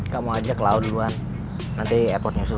kamu ajak klau duluan nanti ekor nyusul